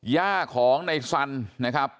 ย่าของในสันนะครับ